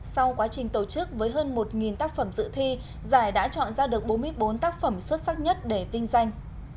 sau quá trình tổ chức với hơn một tác phẩm dự thi giải đã chọn ra được bốn mươi bốn tác phẩm xuất sắc nhất để vinh danh